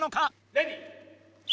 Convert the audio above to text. レディー。